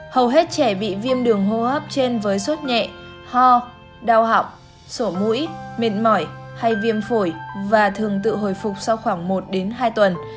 hầu hết trẻ bị viêm đường hô hấp trên với sốt nhẹ ho đau họng sổ mũi mệt mỏi hay viêm phổi và thường tự hồi phục sau khoảng một đến hai tuần